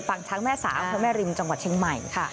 ช้างแม่สาอำเภอแม่ริมจังหวัดเชียงใหม่ค่ะ